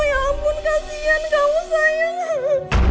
ya ampun kasian kamu sayang